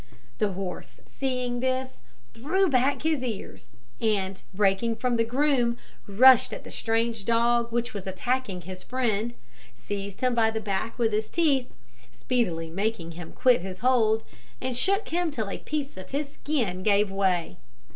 The horse, seeing this, threw back his ears, and, breaking from the groom, rushed at the strange dog which was attacking his friend, seized him by the back with his teeth, speedily making him quit his hold, and shook him till a piece of his skin gave way.